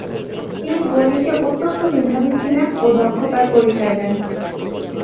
তিনি গণিতে অত্যন্ত মেধাবী ছিলেন ও দক্ষতার পরিচয় দেন।